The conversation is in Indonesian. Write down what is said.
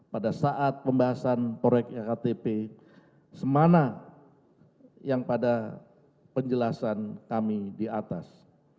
pada saat pembahasan proyek ektp semana yang pada penjelasan kami di atas